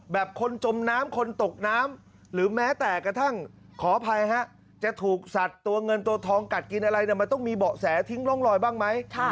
คนจมน้ำคนตกน้ำหรือแม้แต่กระทั่งขออภัยฮะจะถูกสัตว์ตัวเงินตัวทองกัดกินอะไรมันต้องมีเบาะแสทิ้งร่องรอยบ้างไหม